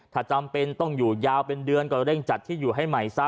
ถ้าจำเป็นต้องอยู่ยาวเป็นเดือนก็เร่งจัดที่อยู่ให้ใหม่ซะ